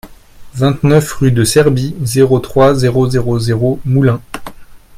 vingt-neuf rue de Serbie, zéro trois, zéro zéro zéro, Moulins